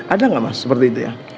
ada nggak mas seperti itu ya